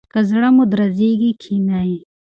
که زړه مو درزیږي کښینئ.